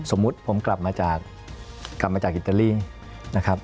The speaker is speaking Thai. สมมติผมกลับมาจากอิตาลีนะครับ